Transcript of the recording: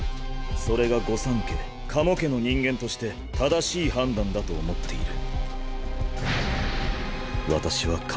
それが御三家加茂家の人間として正しい判断だと思っている。